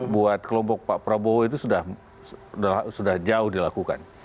buat kelompok pak prabowo itu sudah jauh dilakukan